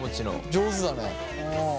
上手だね！